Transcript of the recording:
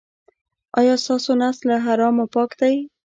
ایا ستاسو نس له حرامو پاک دی؟